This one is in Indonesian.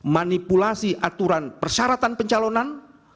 manipulasi aturan persyaratan pencalonan